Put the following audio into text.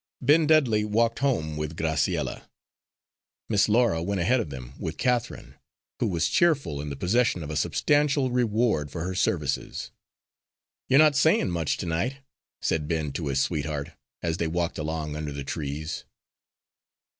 Ben Dudley walked home with Graciella. Miss Laura went ahead of them with Catherine, who was cheerful in the possession of a substantial reward for her services. "You're not sayin' much to night," said Ben to his sweetheart, as they walked along under the trees.